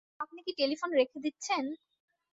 আপনি কি টেলিফোন রেখে দিচ্ছেন?